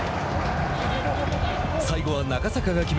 最後は中坂が決め